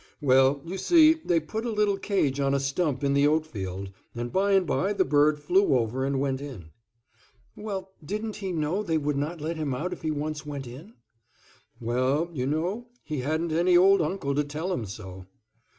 "Well, you see, they put a little cage on a stump in the oat field, and by and by the bird flew over and went in." "Well, didn't he know they would not let him out if he once went in?" "Well, you know, he hadn't any old uncle to tell him so."